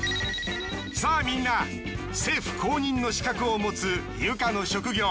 さあみんな政府公認の資格を持つユカの職業